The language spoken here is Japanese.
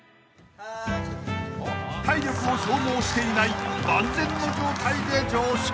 ［体力を消耗していない万全の状態で乗車］